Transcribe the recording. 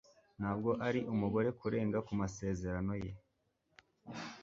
Ntabwo ari umugore kurenga ku masezerano ye.